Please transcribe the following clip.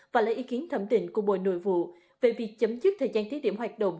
và lấy ý kiến thẩm định của bộ nội vụ về việc chấm dứt thời gian thí điểm hoạt động